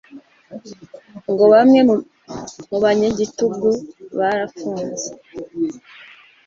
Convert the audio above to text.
ngo bamwe mubanyagitugubarafunze